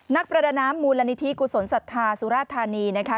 ประดาน้ำมูลนิธิกุศลศรัทธาสุราธานีนะคะ